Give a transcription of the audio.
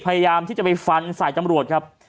พยายามที่จะไปฟันสายตำรวจครับ